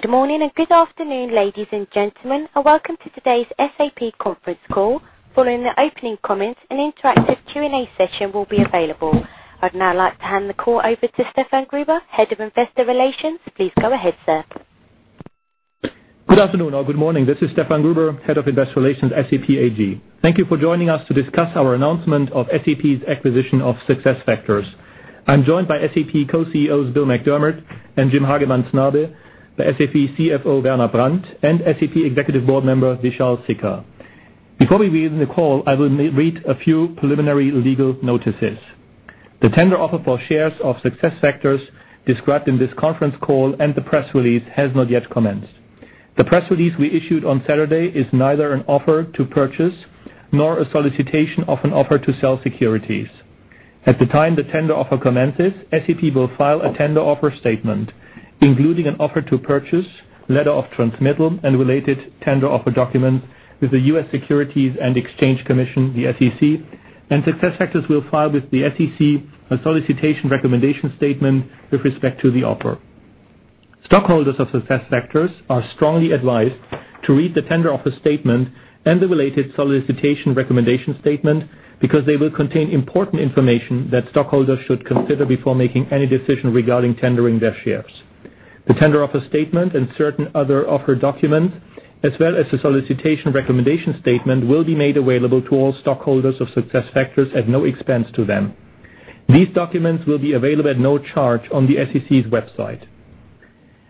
Good morning and good afternoon, ladies and gentlemen, and welcome to today's SAP conference call. Following the opening comments, an interactive Q&A session will be available. I'd now like to hand the call over to Stefan Gruber, Head of Investor Relations. Please go ahead, sir. Good afternoon or good morning. This is Stefan Gruber, Head of Investor Relations, SAP AG. Thank you for joining us to discuss our announcement of SAP's acquisition of SuccessFactors. I'm joined by SAP co-CEOs Bill McDermott and Jim Snabe, the SAP CFO Werner Brandt, and SAP Executive Board Member Vishal Sikka. Before we begin the call, I will read a few preliminary legal notices. The tender offer for shares of SuccessFactors described in this conference call and the press release has not yet commenced. The press release we issued on Saturday is neither an offer to purchase nor a solicitation of an offer to sell securities. At the time the tender offer commences, SAP will file a tender offer statement, including an offer to purchase, letter of transmittal, and related tender offer documents with the U.S. Securities and Exchange Commission, the SEC, and SuccessFactors will file with the SEC a solicitation recommendation statement with respect to the offer. Stockholders of SuccessFactors are strongly advised to read the tender offer statement and the related solicitation recommendation statement because they will contain important information that stockholders should consider before making any decision regarding tendering their shares. The tender offer statement and certain other offer documents, as well as the solicitation recommendation statement, will be made available to all stockholders of SuccessFactors at no expense to them. These documents will be available at no charge on the SEC's website.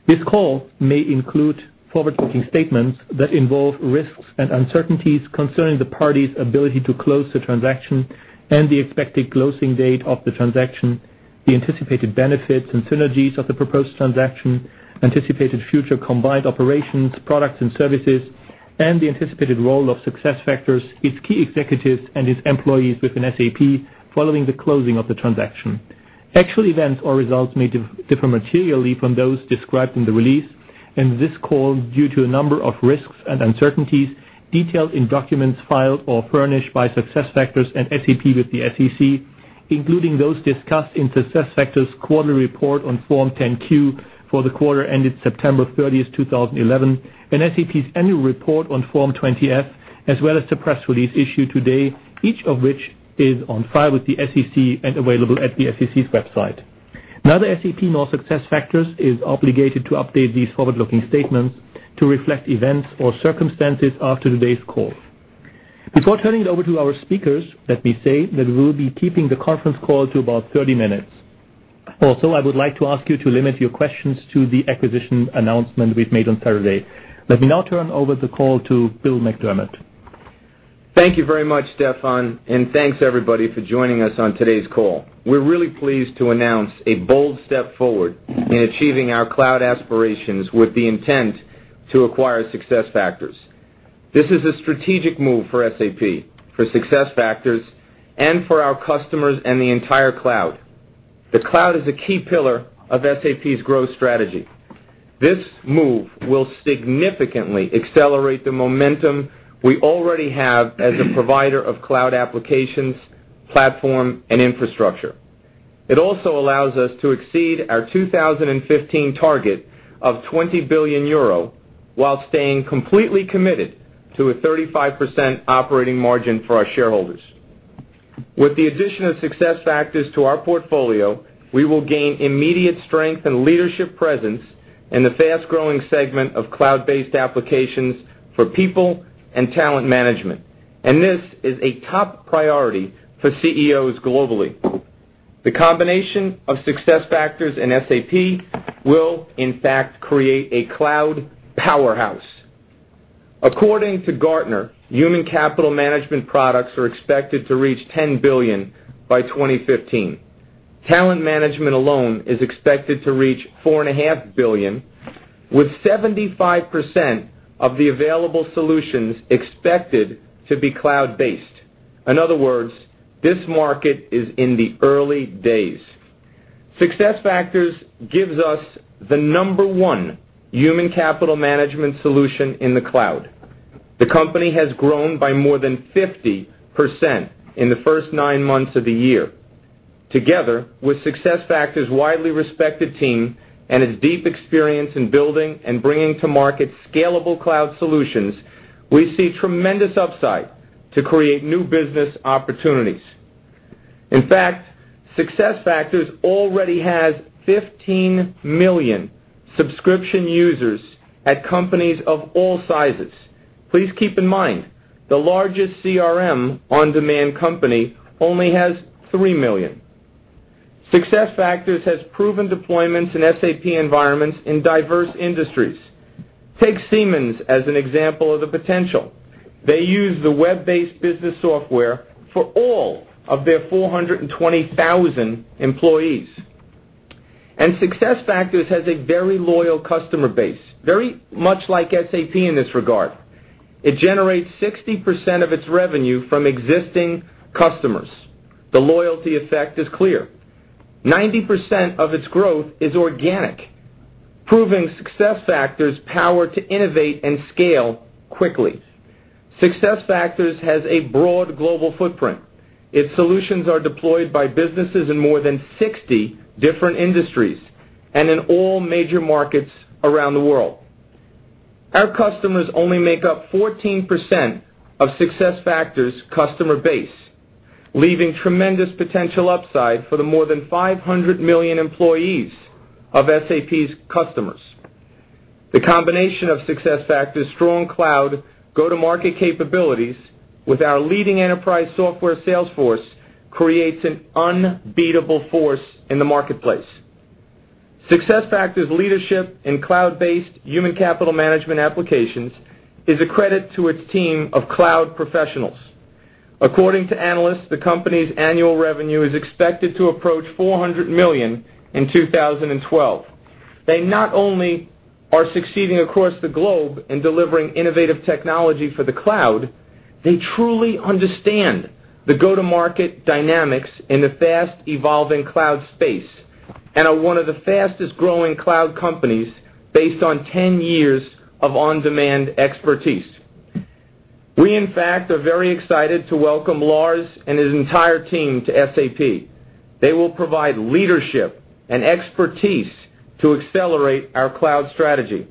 This call may include forward-looking statements that involve risks and uncertainties concerning the party's ability to close the transaction and the expected closing date of the transaction, the anticipated benefits and synergies of the proposed transaction, anticipated future combined operations, products, and services, and the anticipated role of SuccessFactors, its key executives, and its employees within SAP following the closing of the transaction. Actual events or results may differ materially from those described in the release, and this call, due to a number of risks and uncertainties, is detailed in documents filed or furnished by SuccessFactors and SAP with the SEC, including those discussed in SuccessFactors' quarterly report on Form 10-Q for the quarter ended September 30, 2011, and SAP's annual report on Form 20-F, as well as the press release issued today, each of which is on file with the SEC and available at the SEC's website. Neither SAP nor SuccessFactors is obligated to update these forward-looking statements to reflect events or circumstances after today's call. Before turning it over to our speakers, let me say that we will be keeping the conference call to about 30 minutes. Also, I would like to ask you to limit your questions to the acquisition announcement we made on Saturday. Let me now turn over the call to Bill McDermott. Thank you very much, Stefan, and thanks, everybody, for joining us on today's call. We're really pleased to announce a bold step forward in achieving our cloud aspirations with the intent to acquire SuccessFactors. This is a strategic move for SAP, for SuccessFactors, and for our customers and the entire cloud. The cloud is a key pillar of SAP's growth strategy. This move will significantly accelerate the momentum we already have as a provider of cloud applications, platform, and infrastructure. It also allows us to exceed our 2015 target of €20 billion while staying completely committed to a 35% operating margin for our shareholders. With the addition of SuccessFactors to our portfolio, we will gain immediate strength and leadership presence in the fast-growing segment of cloud-based applications for people and talent management, and this is a top priority for CEOs globally. The combination of SuccessFactors and SAP will, in fact, create a cloud powerhouse. According to Gartner, human capital management products are expected to reach $10 billion by 2015. Talent management alone is expected to reach $4.5 billion, with 75% of the available solutions expected to be cloud-based. In other words, this market is in the early days. SuccessFactors gives us the number one human capital management solution in the cloud. The company has grown by more than 50% in the first nine months of the year. Together with SuccessFactors' widely respected team and its deep experience in building and bringing to market scalable cloud solutions, we see tremendous upside to create new business opportunities. In fact, SuccessFactors already has 15 million subscription users at companies of all sizes. Please keep in mind the largest CRM on-demand company only has 3 million. SuccessFactors has proven deployments in SAP environments in diverse industries. Take Siemens as an example of the potential. They use the web-based business software for all of their 420,000 employees. SuccessFactors has a very loyal customer base, very much like SAP in this regard. It generates 60% of its revenue from existing customers. The loyalty effect is clear. 90% of its growth is organic, proving SuccessFactors' power to innovate and scale quickly. SuccessFactors has a broad global footprint. Its solutions are deployed by businesses in more than 60 different industries and in all major markets around the world. Our customers only make up 14% of SuccessFactors' customer base, leaving tremendous potential upside for the more than 500 million employees of SAP's customers. The combination of SuccessFactors' strong cloud go-to-market capabilities with our leading enterprise software sales force creates an unbeatable force in the marketplace. SuccessFactors' leadership in cloud-based human capital management applications is a credit to its team of cloud professionals. According to analysts, the company's annual revenue is expected to approach $400 million in 2012. They not only are succeeding across the globe in delivering innovative technology for the cloud, they truly understand the go-to-market dynamics in the fast-evolving cloud space and are one of the fastest-growing cloud companies based on 10 years of on-demand expertise. We, in fact, are very excited to welcome Lars and his entire team to SAP. They will provide leadership and expertise to accelerate our cloud strategy.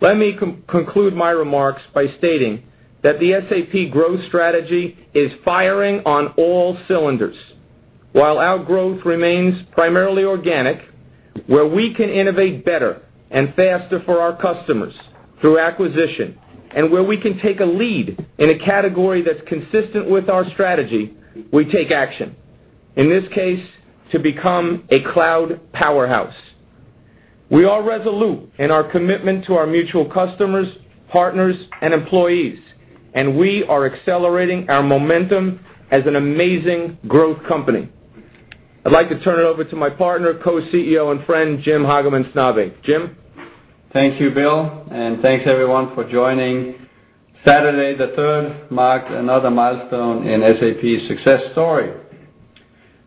Let me conclude my remarks by stating that the SAP growth strategy is firing on all cylinders. While our growth remains primarily organic, where we can innovate better and faster for our customers through acquisition and where we can take a lead in a category that's consistent with our strategy, we take action. In this case, to become a cloud powerhouse. We are resolute in our commitment to our mutual customers, partners, and employees, and we are accelerating our momentum as an amazing growth company. I'd like to turn it over to my partner, co-CEO and friend, Jim Snabe. Jim? Thank you, Bill, and thanks, everyone, for joining. Saturday the 3rd marked another milestone in SAP's success story.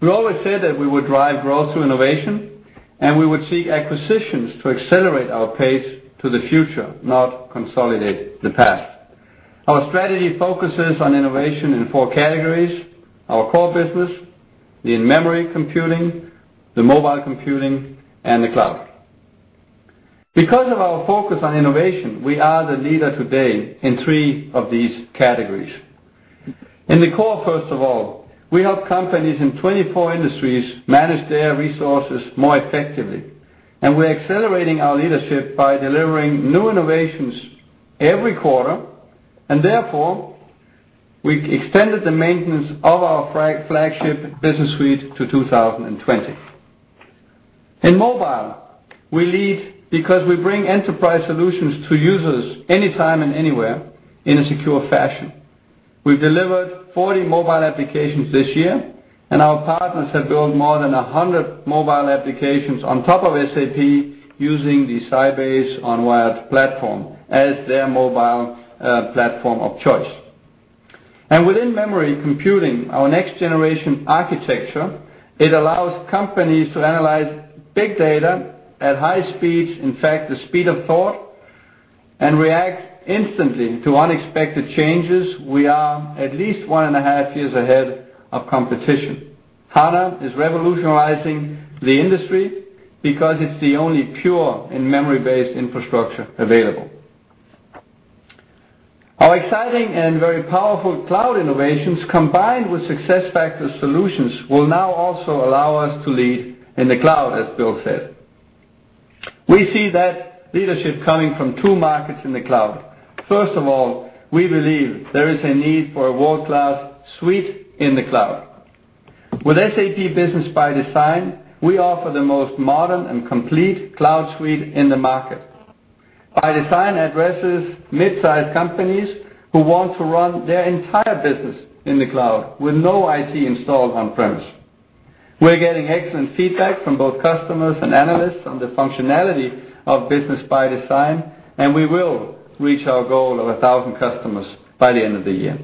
We always said that we would drive growth through innovation, and we would seek acquisitions to accelerate our pace to the future, not consolidate the past. Our strategy focuses on innovation in four categories: our core business, the in-memory computing, the mobile computing, and the cloud. Because of our focus on innovation, we are the leader today in three of these categories. In the core, first of all, we help companies in 24 industries manage their resources more effectively, and we're accelerating our leadership by delivering new innovations every quarter, and therefore, we extended the maintenance of our flagship business suite to 2020. In mobile, we lead because we bring enterprise solutions to users anytime and anywhere in a secure fashion. We've delivered 40 mobile applications this year, and our partners have built more than 100 mobile applications on top of SAP using the Sybase Unwired Platform as their mobile platform of choice. Within in-memory computing, our next-generation architecture allows companies to analyze big data at high speeds, in fact, the speed of thought, and react instantly to unexpected changes. We are at least one and a half years ahead of competition. HANA is revolutionizing the industry because it's the only pure in-memory-based infrastructure available. Our exciting and very powerful cloud innovations, combined with SuccessFactors' solutions, will now also allow us to lead in the cloud, as Bill said. We see that leadership coming from two markets in the cloud. First of all, we believe there is a need for a world-class suite in the cloud. With SAP Business ByDesign, we offer the most modern and complete cloud suite in the market. ByDesign addresses mid-sized companies who want to run their entire business in the cloud with no IT installed on-premise. We're getting excellent feedback from both customers and analysts on the functionality of Business ByDesign, and we will reach our goal of 1,000 customers by the end of the year.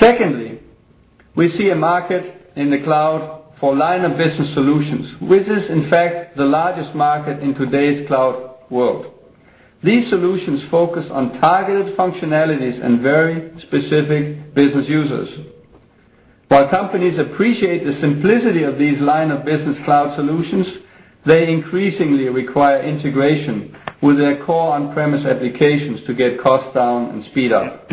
Secondly, we see a market in the cloud for line-of-business solutions, which is, in fact, the largest market in today's cloud world. These solutions focus on targeted functionalities and very specific business users. While companies appreciate the simplicity of these line-of-business cloud solutions, they increasingly require integration with their core on-premise applications to get costs down and speed up.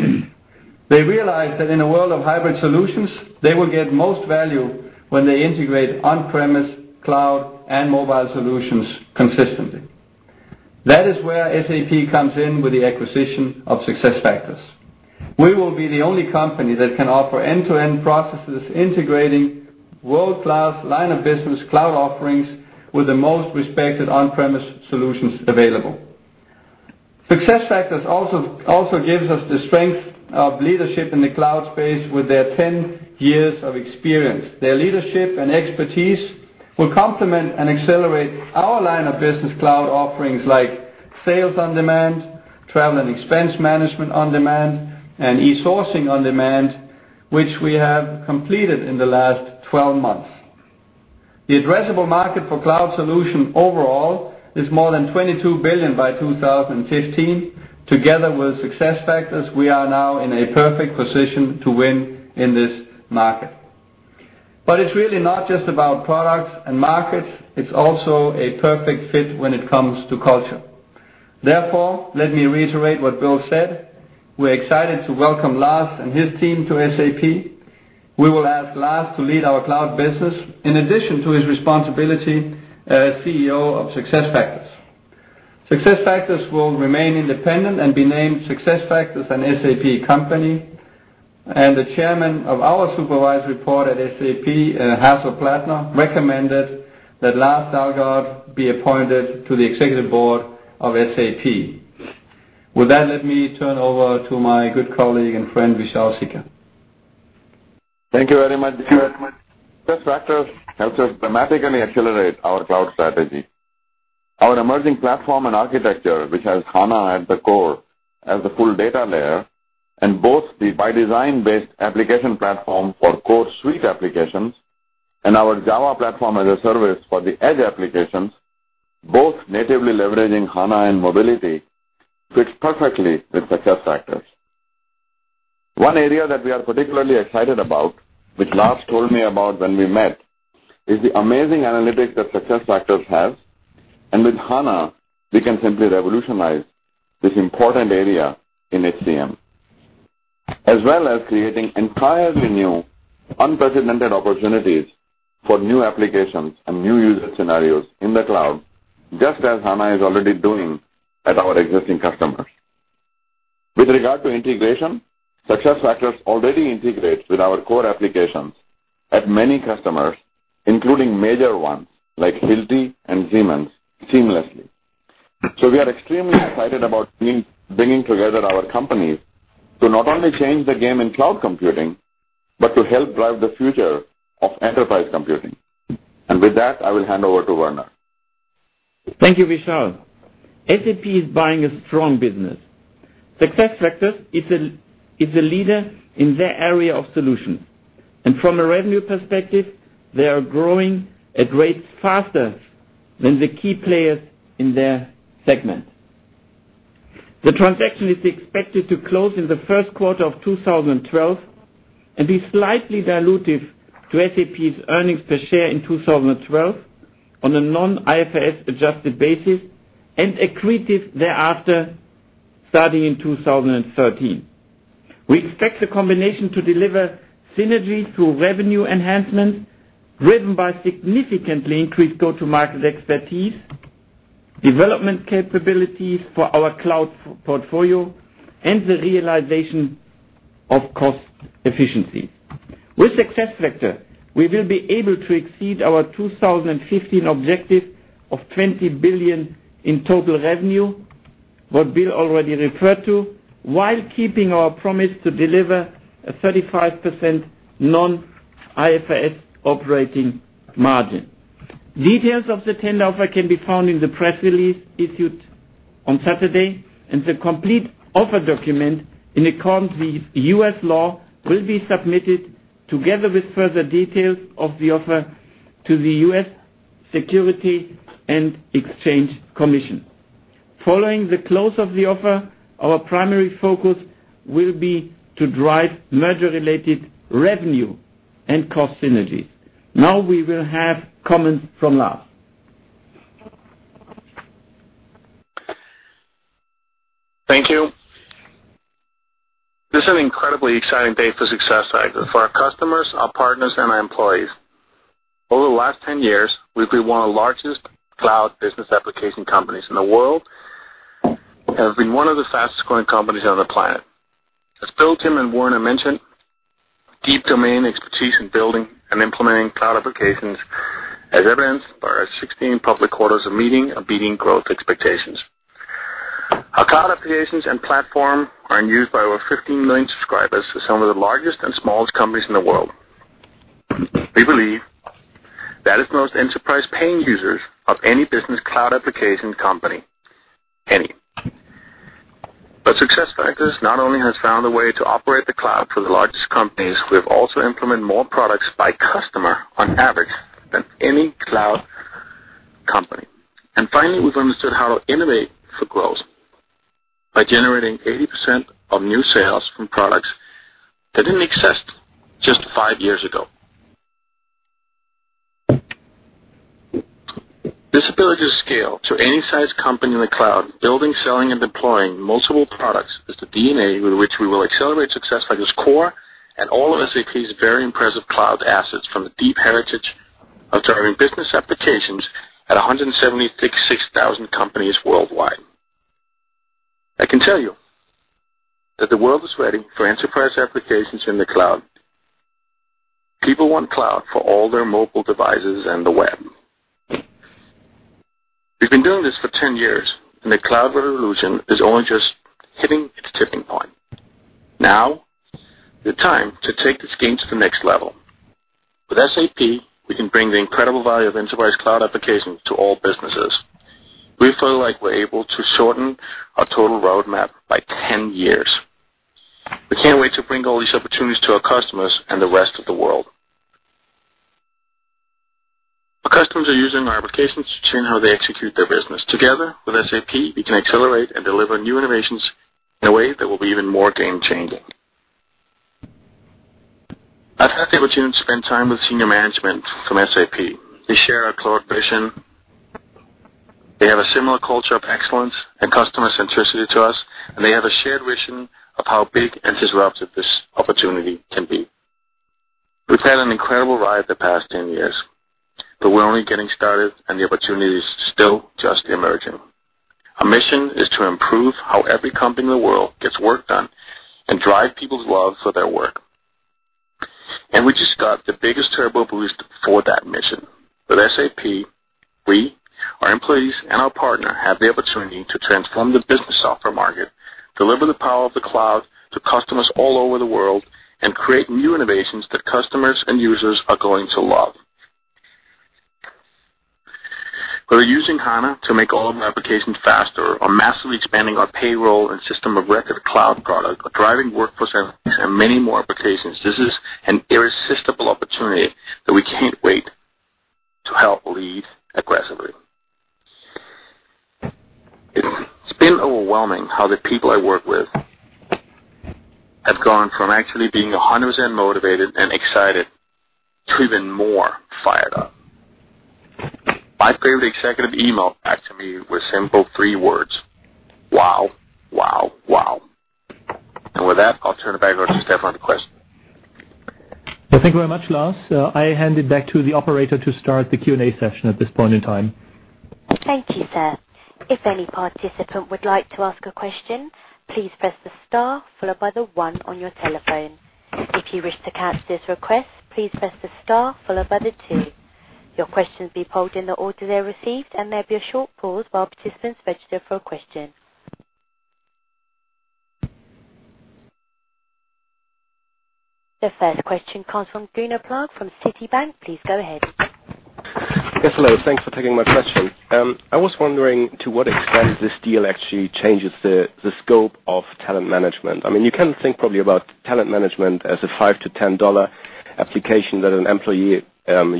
They realize that in a world of hybrid solutions, they will get most value when they integrate on-premise, cloud, and mobile solutions consistently. That is where SAP comes in with the acquisition of SuccessFactors. We will be the only company that can offer end-to-end processes integrating world-class line-of-business cloud offerings with the most respected on-premise solutions available. SuccessFactors also gives us the strength of leadership in the cloud space with their 10 years of experience. Their leadership and expertise will complement and accelerate our line-of-business cloud offerings like sales on demand, travel and expense management on demand, and e-sourcing on demand, which we have completed in the last 12 months. The addressable market for cloud solutions overall is more than $22 billion by 2015. Together with SuccessFactors, we are now in a perfect position to win in this market. It is really not just about products and markets. It is also a perfect fit when it comes to culture. Therefore, let me reiterate what Bill said. We're excited to welcome Lars and his team to SAP. We will ask Lars to lead our cloud business in addition to his responsibility as CEO of SuccessFactors. SuccessFactors will remain independent and be named SuccessFactors, an SAP company. The Chairman of our Supervisory Board at SAP, Hasso Plattner, recommended that Lars Dalgaard be appointed to the Executive Board of SAP. With that, let me turn over to my good colleague and friend, Vishal Sikka. Thank you very much, Jim. SuccessFactors helps us dramatically accelerate our cloud strategy. Our emerging platform and architecture, which has HANA at the core as the full data layer and both the ByDesign-based application platform for core suite applications and our Java platform as a service for the edge applications, both natively leveraging HANA and mobility, fits perfectly with SuccessFactors. One area that we are particularly excited about, which Lars told me about when we met, is the amazing analytics that SuccessFactors has. With HANA, we can simply revolutionize this important area in HCM, as well as creating entirely new, unprecedented opportunities for new applications and new user scenarios in the cloud, just as HANA is already doing at our existing customers. With regard to integration, SuccessFactors already integrates with our core applications at many customers, including major ones like Hilti and Siemens, seamlessly. We are extremely excited about bringing together our companies to not only change the game in cloud computing but to help drive the future of enterprise computing. With that, I will hand over to Werner. Thank you, Vishal. SAP is buying a strong business. SuccessFactors is a leader in their area of solution. From a revenue perspective, they are growing at rates faster than the key players in their segment. The transaction is expected to close in the first quarter of 2012 and be slightly dilutive to SAP's earnings per share in 2012 on a non-IFRS-adjusted basis and accretive thereafter, starting in 2013. We expect the combination to deliver synergies through revenue enhancements driven by significantly increased go-to-market expertise, development capabilities for our cloud portfolio, and the realization of cost efficiency. With SuccessFactors, we will be able to exceed our 2015 objective of $20 billion in total revenue, what Bill already referred to, while keeping our promise to deliver a 35% non-IFRS operating margin. Details of the tender offer can be found in the press release issued on Saturday, and the complete offer document in accordance with U.S. law will be submitted together with further details of the offer to the U.S. Securities and Exchange Commission. Following the close of the offer, our primary focus will be to drive merger-related revenue and cost synergy. Now we will have comments from Lars. Thank you. This is an incredibly exciting day for SuccessFactors, for our customers, our partners, and our employees. Over the last 10 years, we've been one of the largest cloud business application companies in the world and have been one of the fastest-growing companies on the planet. As Bill, Jim, and Werner mentioned, deep domain expertise in building and implementing cloud applications is evidenced by our 16 public quarters of meeting and beating growth expectations. Our cloud applications and platform are used by over 15 million subscribers in some of the largest and smallest companies in the world. We believe that is the most enterprise-paying user of any business cloud applications company, any. SuccessFactors not only has found a way to operate the cloud for the largest companies, we have also implemented more products by customer on average than any cloud company. Finally, we've understood how to innovate for growth by generating 80% of new sales from products that didn't exist just five years ago. This ability to scale to any size company in the cloud, building, selling, and deploying multiple products is the DNA with which we will accelerate SuccessFactors' core and all of SAP's very impressive cloud assets from the deep heritage of driving business applications at 176,000 companies worldwide. I can tell you that the world is ready for enterprise applications in the cloud. People want cloud for all their mobile devices and the web. We've been doing this for 10 years, and the cloud revolution is only just hitting its tipping point. Now is the time to take the schemes to the next level. With SAP, we can bring the incredible value of enterprise cloud applications to all businesses. We feel like we're able to shorten our total roadmap by 10 years. We can't wait to bring all these opportunities to our customers and the rest of the world. Our customers are using our applications to change how they execute their business. Together with SAP, we can accelerate and deliver new innovations in a way that will be even more game-changing. I've had the opportunity to spend time with senior management from SAP. They share our cloud vision. They have a similar culture of excellence and customer centricity to us, and they have a shared vision of how big and disruptive this opportunity can be. We've had an incredible ride the past 10 years, but we're only getting started, and the opportunity is still just emerging. Our mission is to improve how every company in the world gets work done and drive people's love for their work. We just got the biggest turbo boost for that mission. With SAP, we, our employees, and our partner have the opportunity to transform the business software market, deliver the power of the cloud to customers all over the world, and create new innovations that customers and users are going to love. Whether using HANA to make all of our applications faster, massively expanding our payroll and system of record cloud product, or driving workforce and many more applications, this is an irresistible opportunity that we can't wait to help lead aggressively. It's been overwhelming how the people I work with have gone from actually being 100% motivated and excited to even more fired up. My favorite executive email back to me was simple, three words: "Wow, wow, wow." With that, I'll turn it back over to Stefan for questions. Thank you very much, Lars. I hand it back to the operator to start the Q&A session at this point in time. Thank you, sir. If any participant would like to ask a question, please press the star followed by the one on your telephone. If you wish to cancel this request, please press the star followed by the two. Your questions will be pulled in the order they're received, and there will be a short pause while participants register for a question. The first question comes from Gunnar Plag from Citibank. Please go ahead. Yes, hello. Thanks for taking my question. I was wondering to what extent this deal actually changes the scope of talent management. I mean, you can think probably about talent management as a $5-$10 application that an employee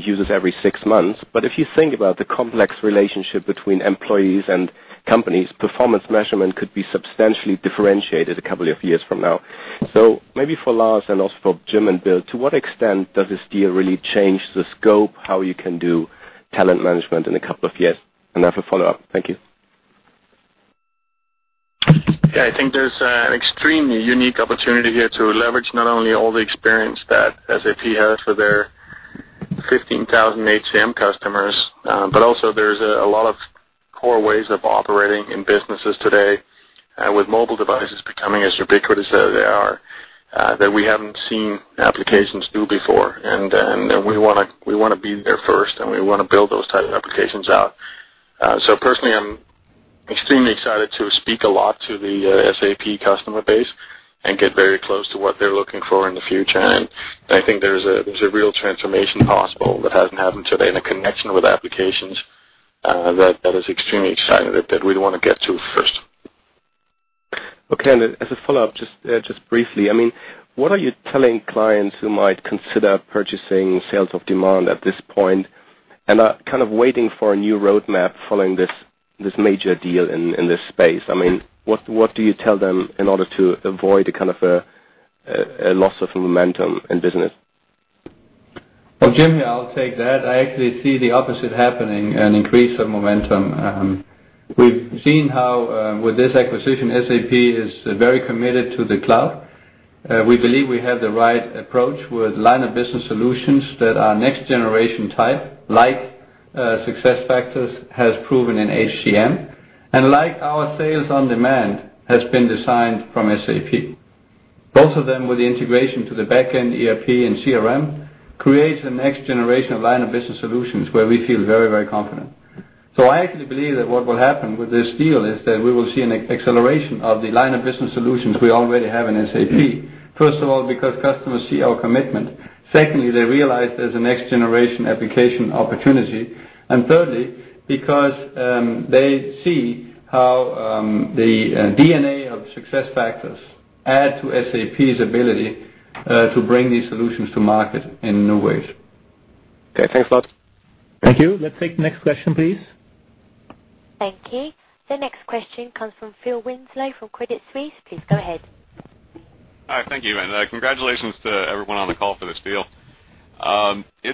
uses every six months. If you think about the complex relationship between employees and companies, performance measurement could be substantially differentiated a couple of years from now. Maybe for Lars and also for Jim and Bill, to what extent does this deal really change the scope how you can do talent management in a couple of years? I have a follow-up. Thank you. Yeah, I think there's an extremely unique opportunity here to leverage not only all the experience that SAP has for their 15,000 HCM customers, but also there's a lot of core ways of operating in businesses today with mobile devices becoming as ubiquitous as they are that we haven't seen applications do before. We want to be there first, and we want to build those types of applications out. Personally, I'm extremely excited to speak a lot to the SAP customer base and get very close to what they're looking for in the future. I think there's a real transformation possible that hasn't happened today in a connection with applications that is extremely exciting that we'd want to get to first. Okay. As a follow-up, just briefly, what are you telling clients who might consider purchasing sales of demand at this point and are kind of waiting for a new roadmap following this major deal in this space? What do you tell them in order to avoid a kind of a loss of momentum in business? Jim, I'll take that. I actually see the opposite happening, an increase of momentum. We've seen how with this acquisition, SAP is very committed to the cloud. We believe we have the right approach with line-of-business solutions that are next-generation type, like SuccessFactors has proven in HCM, and like our sales on demand has been designed from SAP. Both of them with the integration to the backend ERP and CRM create the next generation of line-of-business solutions where we feel very, very confident. I actually believe that what will happen with this deal is that we will see an acceleration of the line-of-business solutions we already have in SAP. First of all, because customers see our commitment. Secondly, they realize there's a next-generation application opportunity. Thirdly, because they see how the DNA of SuccessFactors adds to SAP's ability to bring these solutions to market in new ways. Okay, thanks, Lars. Thank you. Let's take the next question, please. Thank you. The next question comes from Phil Winslow from Credit Suisse. Please go ahead. Hi, thank you. Congratulations to everyone on the call for this deal.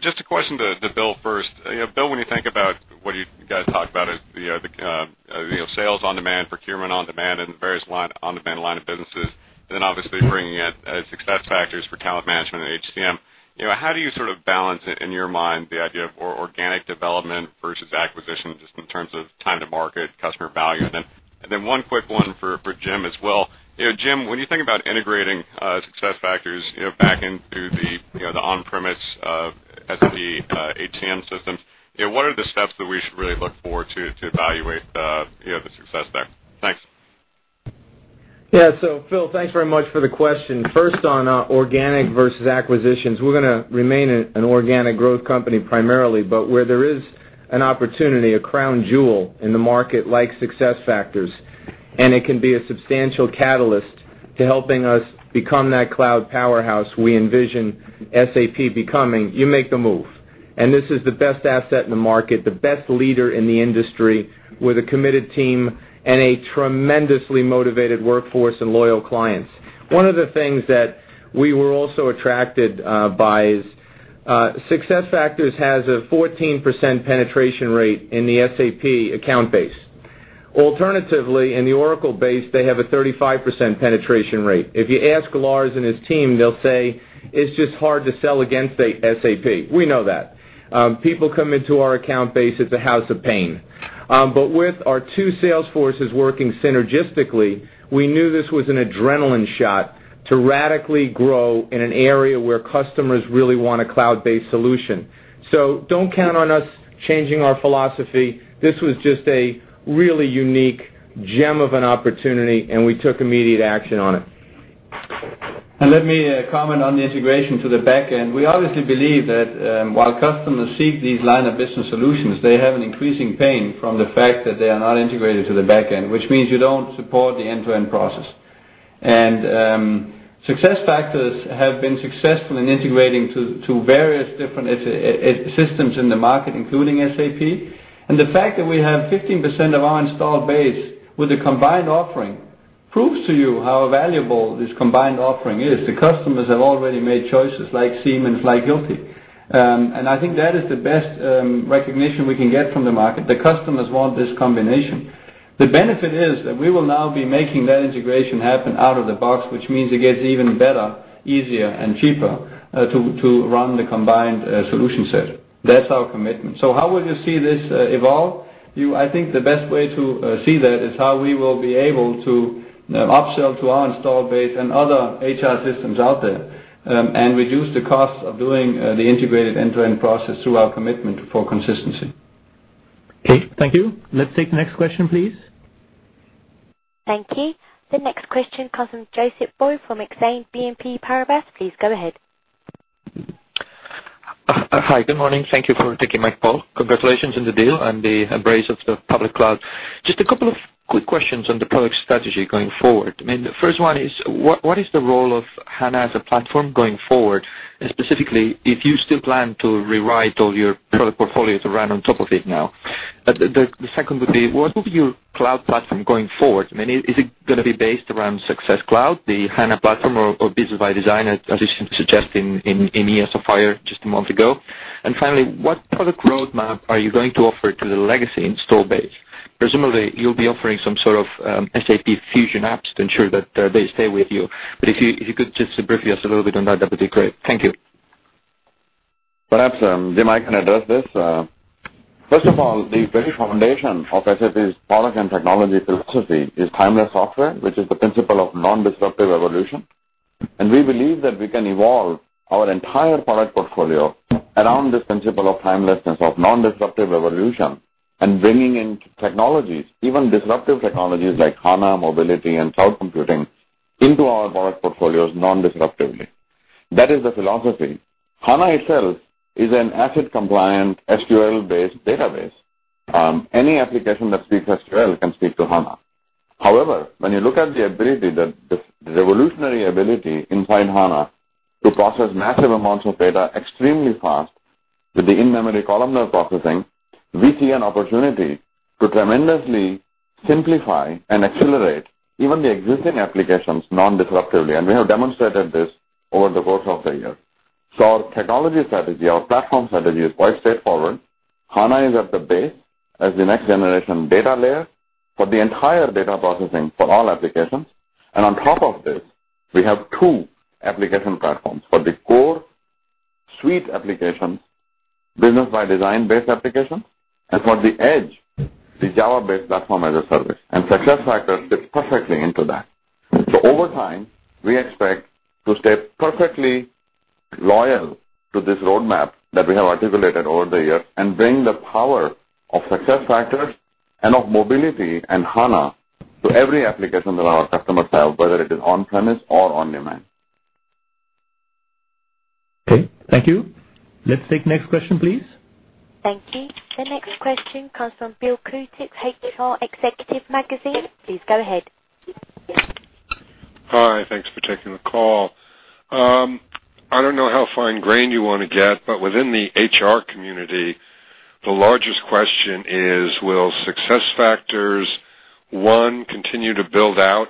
Just a question to Bill first. You know, Bill, when you think about what you guys talk about as the sales on demand, procurement on demand, and the various on-demand line of businesses, and then obviously bringing in SuccessFactors for talent management and HCM, how do you sort of balance in your mind the idea of organic development versus acquisition just in terms of time to market, customer value? One quick one for Jim as well. Jim, when you think about integrating SuccessFactors back into the on-premise SAP HCM systems, what are the steps that we should really look forward to evaluate the success there? Thanks. Yeah, Phil, thanks very much for the question. First on organic versus acquisitions, we're going to remain an organic growth company primarily, but where there is an opportunity, a crown jewel in the market like SuccessFactors, and it can be a substantial catalyst to helping us become that cloud powerhouse we envision SAP becoming, you make the move. This is the best asset in the market, the best leader in the industry with a committed team and a tremendously motivated workforce and loyal clients. One of the things that we were also attracted by is SuccessFactors has a 14% penetration rate in the SAP account base. Alternatively, in the Oracle base, they have a 35% penetration rate. If you ask Lars and his team, they'll say it's just hard to sell against SAP. We know that. People come into our account base at the house of pain. With our two sales forces working synergistically, we knew this was an adrenaline shot to radically grow in an area where customers really want a cloud-based solution. Don't count on us changing our philosophy. This was just a really unique gem of an opportunity, and we took immediate action on it. Let me comment on the integration to the backend. We obviously believe that while customers seek these line-of-business solutions, they have an increasing pain from the fact that they are not integrated to the backend, which means you don't support the end-to-end process. SuccessFactors have been successful in integrating to various different systems in the market, including SAP. The fact that we have 15% of our installed base with a combined offering proves to you how valuable this combined offering is. The customers have already made choices like Siemens, like Hilti. I think that is the best recognition we can get from the market. The customers want this combination. The benefit is that we will now be making that integration happen out of the box, which means it gets even better, easier, and cheaper to run the combined solution set. That's our commitment. How will you see this evolve? I think the best way to see that is how we will be able to upsell to our installed base and other HR systems out there and reduce the costs of doing the integrated end-to-end process through our commitment for consistency. Okay, thank you. Let's take the next question, please. Thank you. The next question comes from Joseph Bo from Exane BNP Paribas. Please go ahead. Hi, good morning. Thank you for taking my call. Congratulations on the deal and the embrace of the public cloud. Just a couple of quick questions on the product strategy going forward. The first one is what is the role of HANA as a platform going forward? Specifically, if you still plan to rewrite all your product portfolio to run on top of it now. The second would be what will be your cloud platform going forward? Is it going to be based around SuccessFactors, the HANA platform, or Business ByDesign, as you suggested in SAPPHIRE just a month ago? Finally, what product roadmap are you going to offer to the legacy install base? Presumably, you'll be offering some sort of SAP Fusion apps to ensure that they stay with you. If you could just brief us a little bit on that, that would be great. Thank you. Perhaps, Jim, I can address this. First of all, the very foundation of SAP's product and technology philosophy is timeless software, which is the principle of non-disruptive evolution. We believe that we can evolve our entire product portfolio around this principle of timelessness, of non-disruptive evolution, and bringing in technologies, even disruptive technologies like HANA, mobility, and cloud computing into our product portfolios non-disruptively. That is the philosophy. HANA itself is an asset-compliant SQL-based database. Any application that speaks SQL can speak to HANA. However, when you look at the ability, the revolutionary ability inside HANA to process massive amounts of data extremely fast with the in-memory columnar processing, we see an opportunity to tremendously simplify and accelerate even the existing applications non-disruptively. We have demonstrated this over the course of the year. Our technology strategy, our platform strategy is quite straightforward. HANA is at the base as the next-generation data layer for the entire data processing for all applications. On top of this, we have two application platforms for the core suite application, Business ByDesign-based application, and for the edge, the Java-based platform as a service. SuccessFactors fits perfectly into that. Over time, we expect to stay perfectly loyal to this roadmap that we have articulated over the years and bring the power of SuccessFactors and of Mobility and HANA to every application that our customers have, whether it is on-premise or on-demand. Okay, thank you. Let's take the next question, please. Thank you. The next question comes from Bill Kutik, HR Executive Magazine. Please go ahead. Hi, thanks for taking the call. I don't know how fine-grained you want to get, but within the HR community, the largest question is, will SuccessFactors, one, continue to build out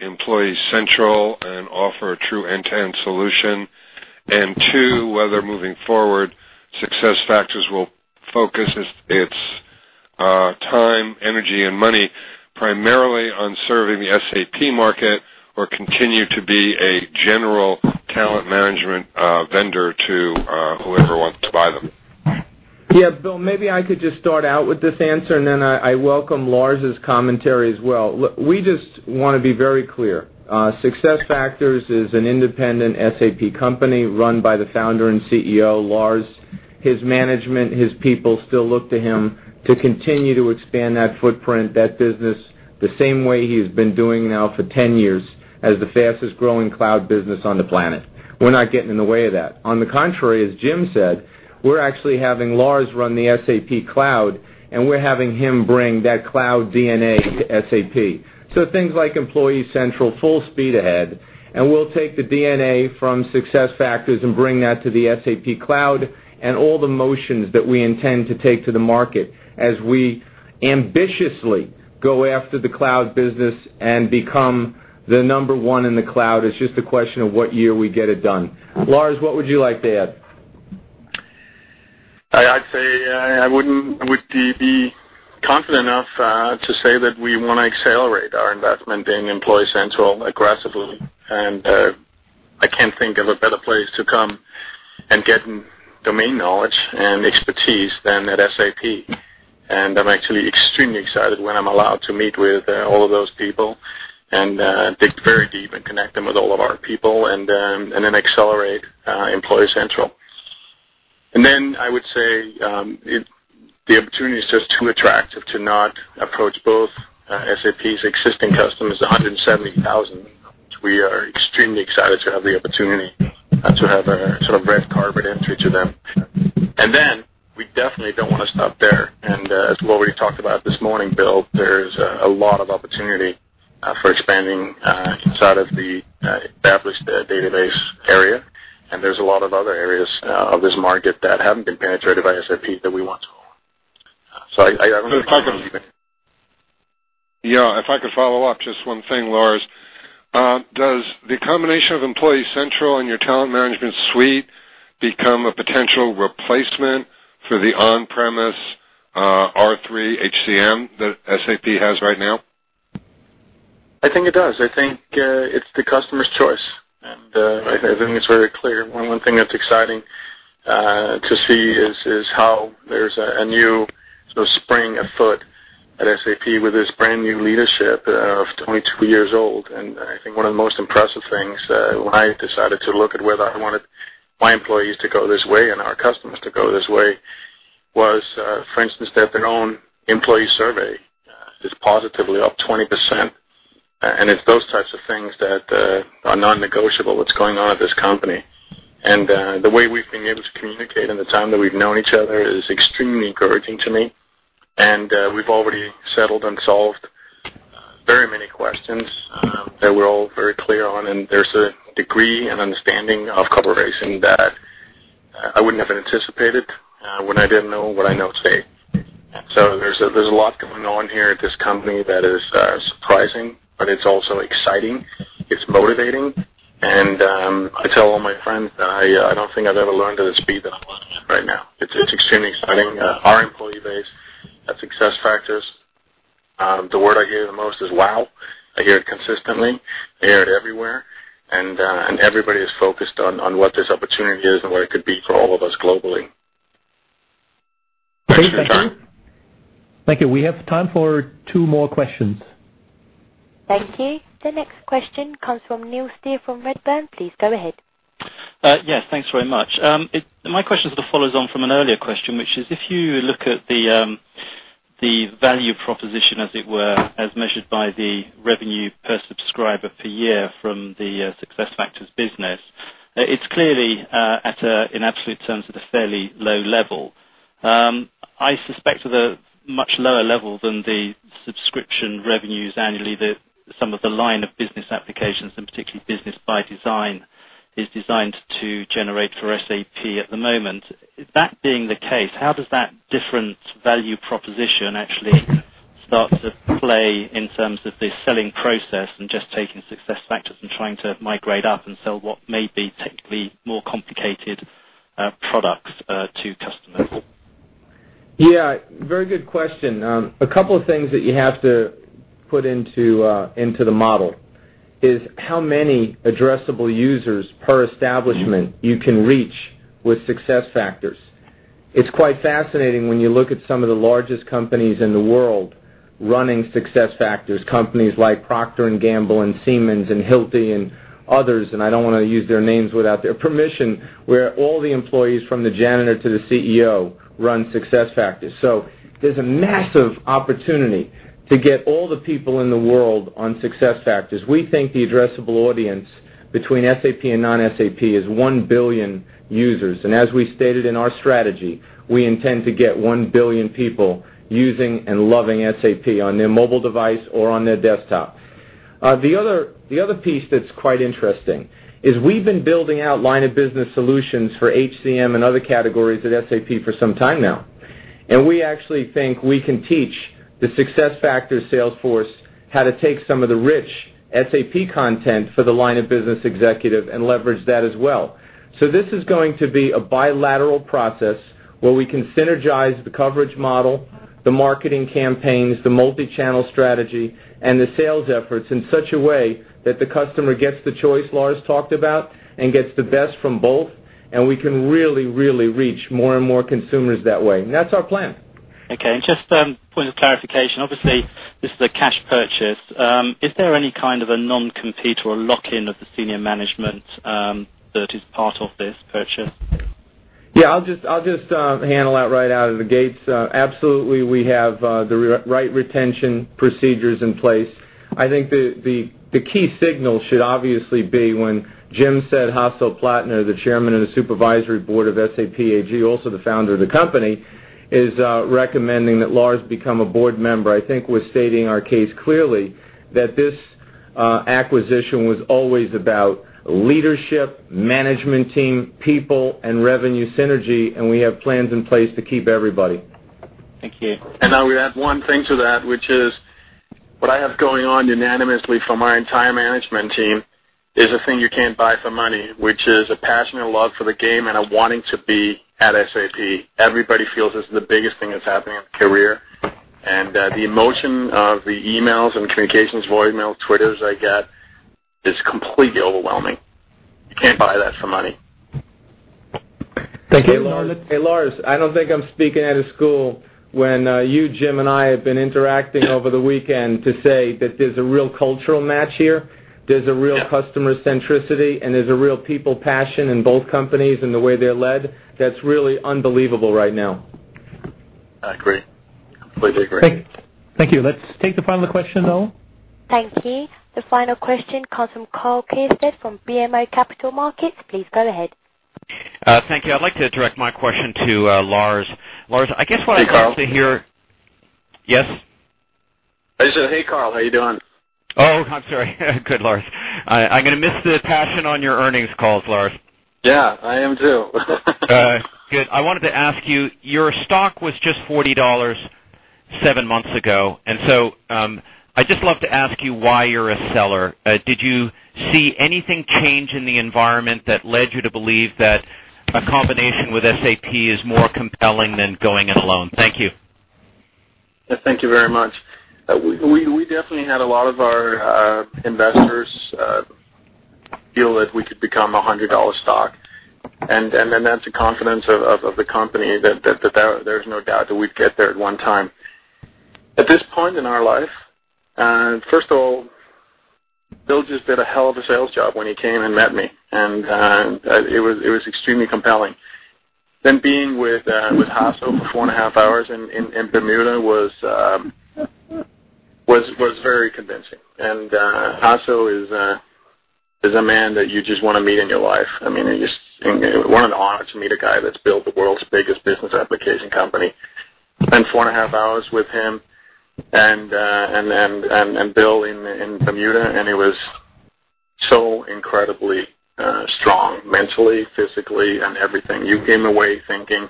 Employee Central and offer a true end-to-end solution? Two, whether moving forward, SuccessFactors will focus its time, energy, and money primarily on serving the SAP market or continue to be a general talent management vendor to whoever wants to buy them. Yeah, Bill, maybe I could just start out with this answer, and then I welcome Lars's commentary as well. We just want to be very clear. SuccessFactors is an independent SAP company run by the founder and CEO, Lars. His management, his people still look to him to continue to expand that footprint, that business the same way he's been doing now for 10 years as the fastest-growing cloud business on the planet. We're not getting in the way of that. On the contrary, as Jim said, we're actually having Lars run the SAP cloud, and we're having him bring that cloud DNA to SAP. Things like Employee Central, full speed ahead. We'll take the DNA from SuccessFactors and bring that to the SAP cloud and all the motions that we intend to take to the market as we ambitiously go after the cloud business and become the number one in the cloud. It's just a question of what year we get it done. Lars, what would you like to add? I'd say I wouldn't be confident enough to say that we want to accelerate our investment in Employee Central aggressively. I can't think of a better place to come and get domain knowledge and expertise than at SAP. I'm actually extremely excited when I'm allowed to meet with all of those people and dig very deep and connect them with all of our people, then accelerate Employee Central. I would say the opportunity is just too attractive to not approach both SAP's existing customers, 170,000, which we are extremely excited to have the opportunity to have a sort of red carpet entry to them. We definitely don't want to stop there. As we already talked about this morning, Bill, there's a lot of opportunity for expanding inside of the established database area. There's a lot of other areas of this market that haven't been penetrated by SAP that we want to open. I don't think we're leaving. Yeah, if I could follow up just one thing, Lars. Does the combination of Employee Central and your talent management suite become a potential replacement for the on-premise R/3 HCM that SAP has right now? I think it does. I think it's the customer's choice, and I think it's very clear. One thing that's exciting to see is how there's a new sort of spring afoot at SAP with this brand new leadership of 22 years old. I think one of the most impressive things when I decided to look at whether I wanted my employees to go this way and our customers to go this way was, for instance, that their own employee survey is positively up 20%. It's those types of things that are non-negotiable, what's going on at this company. The way we've been able to communicate in the time that we've known each other is extremely encouraging to me. We've already settled and solved very many questions that we're all very clear on. There's a degree and understanding of collaboration that I wouldn't have anticipated when I didn't know what I know today. There's a lot going on here at this company that is surprising, but it's also exciting. It's motivating. I tell all my friends that I don't think I've ever learned at the speed that I'm learning at right now. It's extremely exciting. Our employee base at SuccessFactors, the word I hear the most is, "Wow." I hear it consistently. I hear it everywhere, and everybody is focused on what this opportunity is and what it could be for all of us globally. Thank you, sir. Thank you. We have time for two more questions. Thank you. The next question comes from Neil Steer from Redburn. Please go ahead. Yes, thanks very much. My question sort of follows on from an earlier question, which is if you look at the value proposition, as it were, as measured by the revenue per subscriber per year from the SuccessFactors business, it's clearly at an absolute terms at a fairly low level. I suspect at a much lower level than the subscription revenues annually that some of the line-of-business applications and particularly Business ByDesign is designed to generate for SAP at the moment. That being the case, how does that different value proposition actually start to play in terms of the selling process and just taking SuccessFactors and trying to migrate up and sell what may be technically more complicated products to customers? Yeah, very good question. A couple of things that you have to put into the model is how many addressable users per establishment you can reach with SuccessFactors. It's quite fascinating when you look at some of the largest companies in the world running SuccessFactors, companies like Procter & Gamble and Siemens and Hilti and others. I don't want to use their names without their permission, where all the employees from the janitor to the CEO run SuccessFactors. There is a massive opportunity to get all the people in the world on SuccessFactors. We think the addressable audience between SAP and non-SAP is 1 billion users. As we stated in our strategy, we intend to get 1 billion people using and loving SAP on their mobile device or on their desktop. The other piece that's quite interesting is we've been building out line-of-business solutions for HCM and other categories at SAP for some time now. We actually think we can teach the SuccessFactors sales force how to take some of the rich SAP content for the line-of-business executive and leverage that as well. This is going to be a bilateral process where we can synergize the coverage model, the marketing campaigns, the multi-channel strategy, and the sales efforts in such a way that the customer gets the choice Lars talked about and gets the best from both. We can really, really reach more and more consumers that way. That's our plan. Okay. Just a point of clarification, obviously, this is a cash purchase. Is there any kind of a non-compete or a lock-in of the senior management that is part of this purchase? I'll just handle that right out of the gates. Absolutely, we have the right retention procedures in place. I think the key signal should obviously be when Jim said Hasso Plattner, the Chairman and the Supervisory Board of SAP, also the founder of the company, is recommending that Lars become a board member. I think we're stating our case clearly that this acquisition was always about leadership, management team, people, and revenue synergy, and we have plans in place to keep everybody. Thank you. I would add one thing to that, which is what I have going on unanimously from our entire management team is a thing you can't buy for money, which is a passionate love for the game and a wanting to be at SAP. Everybody feels this is the biggest thing that's happening in their career. The emotion of the emails and communications, voicemails, Twitters I get is completely overwhelming. You can't buy that for money. Thank you. Hey, Lars, I don't think I'm speaking out of school when you, Jim, and I have been interacting over the weekend to say that there's a real cultural match here. There's a real customer centricity, and there's a real people passion in both companies and the way they're led. That's really unbelievable right now. I agree, completely agree. Thank you. Let's take the final question, though. Thank you. The final question comes from Carl Kafed from BMO Capital Markets. Please go ahead. Thank you. I'd like to direct my question to Lars. Lars, I guess what I'd like to hear... Hey, Carl? Yes? Hey, sir. Hey, Carl. How are you doing? Oh, I'm sorry. Good, Lars. I'm going to miss the passion on your earnings calls, Lars. Yeah, I am too. Good. I wanted to ask you, your stock was just $40 seven months ago. I'd just love to ask you why you're a seller. Did you see anything change in the environment that led you to believe that a combination with SAP is more compelling than going in alone? Thank you. Yeah, thank you very much. We definitely had a lot of our investors feel that we could become a $100 stock. That's the confidence of the company that there's no doubt that we'd get there at one time. At this point in our life, first of all, Bill just did a hell of a sales job when he came and met me. It was extremely compelling. Being with Hasso for four and a half hours in Bermuda was very convincing. Hasso is a man that you just want to meet in your life. It's one of the honors to meet a guy that's built the world's biggest business application company. Four and a half hours with him and Bill in Bermuda, and it was so incredibly strong mentally, physically, and everything. You came away thinking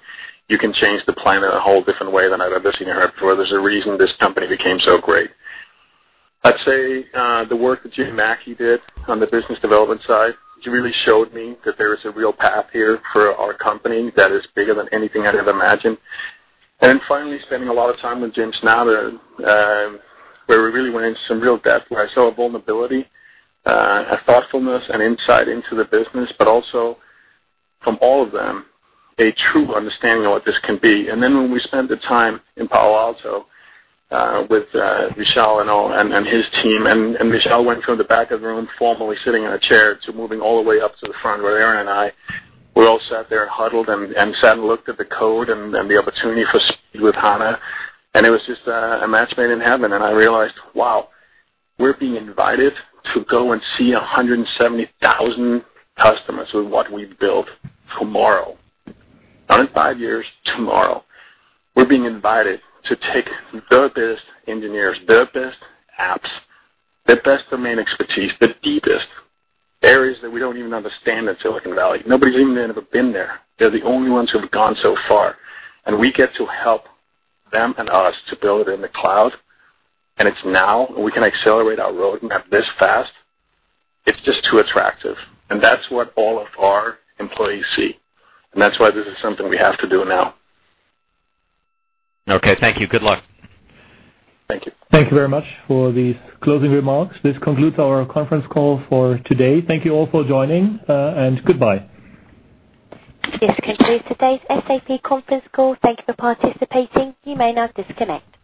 you can change the planet a whole different way than I'd ever seen or heard before. There's a reason this company became so great. I'd say the work that Jay Mackey did on the business development side, he really showed me that there is a real path here for our company that is bigger than anything I'd ever imagined. Finally, spending a lot of time with Jim Snabe, where we really went into some real depth where I saw a vulnerability, a thoughtfulness, and insight into the business, but also from all of them, a true understanding of what this can be. When we spent the time in Palo Alto with Vishal and his team, and Vishal went from the back of the room formally sitting in a chair to moving all the way up to the front where Aaron and I were all sat there, huddled, and sat and looked at the code and the opportunity for speed with HANA. It was just a match made in heaven. I realized, wow, we're being invited to go and see 170,000 customers with what we've built tomorrow. Not in five years, tomorrow. We're being invited to take some therapists, engineers, therapists, apps, their best domain expertise, the deepest areas that we don't even understand at Silicon Valley. Nobody's even ever been there. They're the only ones who've gone so far. We get to help them and us to build it in the cloud. It's now we can accelerate our roadmap this fast. It's just too attractive. That's what all of our employees see. That's why this is something we have to do now. Okay, thank you. Good luck. Thank you. Thank you very much for these closing remarks. This concludes our conference call for today. Thank you all for joining, and goodbye. This concludes today's SAP conference call. Thank you for participating. You may now disconnect.